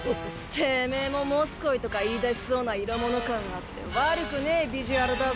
てめぇも「モスコイ」とか言い出しそうな色モノ感あって悪くねえビジュアルだぜ。